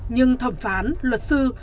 nhưng thẩm phán luật sư